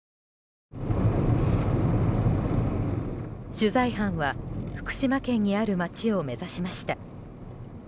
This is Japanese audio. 取材班は福島県にある町を目指しました。